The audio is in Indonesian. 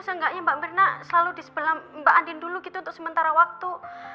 seenggaknya mbak mirna selalu di sebelah mbak andin dulu gitu untuk sementara waktu